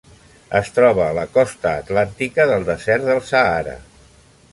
Es troba a la costa atlàntica del desert del Sàhara.